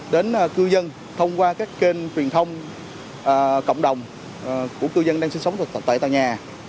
đến cư dân thông qua các kênh truyền thông cộng đồng của cư dân đang sinh sống tại nhà